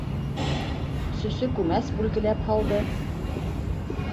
Сөсө күмәс бүлгеләп һалды.